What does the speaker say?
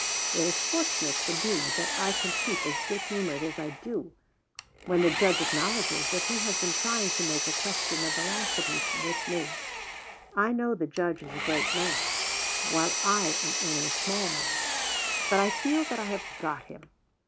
It is fortunate for me that I can keep as good humored as I do, when the Judge acknowledges that he has been trying to make a question of veracity with me. I know the Judge is a great man, while I am only a small man; but I feel that I have got him.